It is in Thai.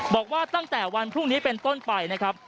บอกว่าตั้งแต่วันพรุ่งนี้เป็นต้นไปนะครับ